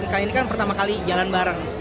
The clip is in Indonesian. kang ini kan pertama kali jalan bareng